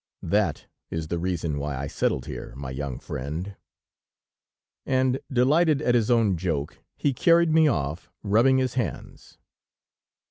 That is the reason why I settled here, my young friend." And delighted at his own joke, he carried me off, rubbing his hands.